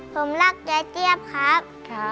ผมรักยายเจี๊ยบครับ